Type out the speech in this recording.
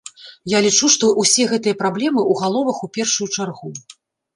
Я лічу, што ўсе гэтыя праблемы ў галовах у першую чаргу.